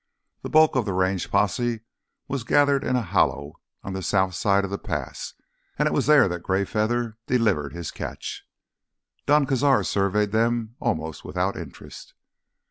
The bulk of the Range posse was gathered in a hollow on the south side of the pass and it was there that Greyfeather delivered his catch. Don Cazar surveyed them almost without interest.